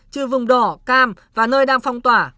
chứ vùng đỏ cam và nơi đang phong tỏa